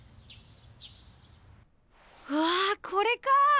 うわこれか！